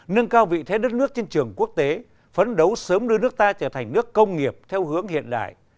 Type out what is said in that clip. nâng cao vị thế đất nước trên trường quốc tế phấn đấu sớm đưa nước ta trở thành nước công nghiệp theo hướng hiện đại